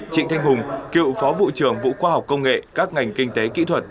trịnh thanh hùng cựu phó vụ trưởng vũ khoa học công nghệ các ngành kinh tế kỹ thuật